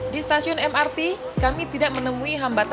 di stasiun mrt kami tidak menemui hambatan